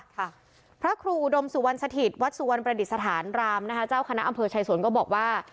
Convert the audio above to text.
พระครูอุดมสุวรรณสถิตวัดสุวรรณประดิษฐานรามนะคะเจ้าคณะอำเภอชายสวนก็บอกว่า